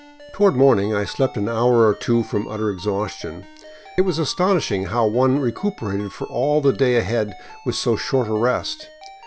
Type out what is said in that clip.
Toward morning I slept an hour or two from utter exhaustion. It was astonishing how one recuperated for all the day ahead with so short a rest.